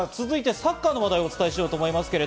続いてサッカーの話題をお伝えしようと思います。